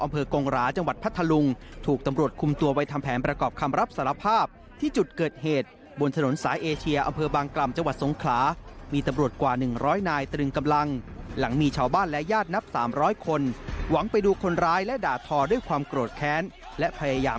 พยายามเข้าไปรุมประชาธรรมินาฬิกา